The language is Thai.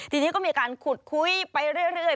ทีนี้ก็มีการขุดคุยไปเรื่อย